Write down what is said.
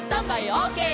オーケー！」